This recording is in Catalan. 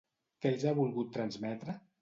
Què els ha volgut transmetre?